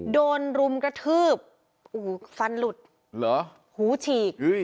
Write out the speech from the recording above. โดนรุมกระทืบฟันหลุดหูฉีก